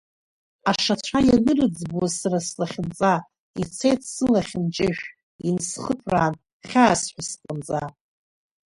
Ашацәа ианырыӡбуаз сара слахьынҵа, ицеит сылахь нҷышә, инсхыԥраан, хьаас ҳәа сҟамҵа.